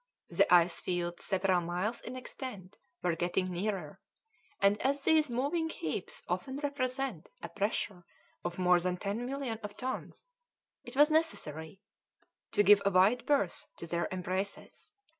The ice fields, several miles in extent, were getting nearer, and as these moving heaps often represent a pressure of more than ten millions of tons, it was necessary to give a wide berth to their embraces.